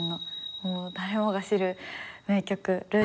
もう誰もが知る名曲。